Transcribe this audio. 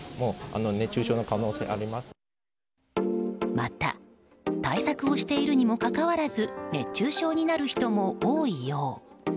また対策をしているにもかかわらず熱中症になる人も多いよう。